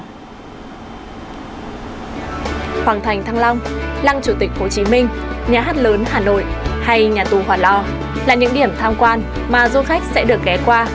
hoàng thành thăng long lăng chủ tịch hồ chí minh nhà hát lớn hà nội hay nhà tù hòa lò là những điểm tham quan mà du khách sẽ được ghé qua